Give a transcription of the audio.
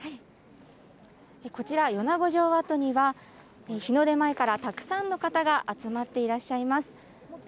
こちら、米子城跡には、日の出前から、たくさんの方が集まっていらっしゃいます。